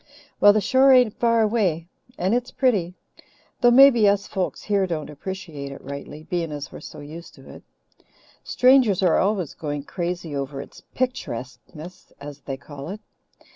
"Well, the shore ain't far away, and it's pretty though maybe us folks here don't appreciate it rightly, being as we're so used to it. Strangers are always going crazy over its 'picturesqueness,' as they call it.